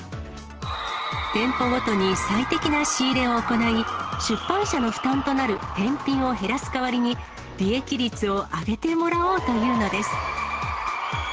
店舗ごとに最適な仕入れを行い、出版社の負担となる返品を減らす代わりに、利益率を上げてもらおうというのです。